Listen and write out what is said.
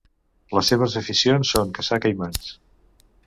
Les seves aficions són caçar caimans.